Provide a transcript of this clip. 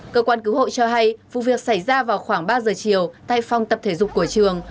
cơ quan cứu hộ cho hay vụ việc xảy ra vào khoảng ba giờ chiều tại phòng tập thể dục của trường